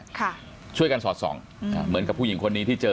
ทุกคนได้การสอดศรองเหมือนกับผู้หญิงคนนี้ที่เจอ